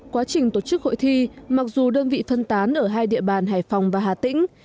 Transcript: quá trình tổ chức hội thi mặc dù đơn vị phân tán ở hai địa bàn hải phòng và hà tĩnh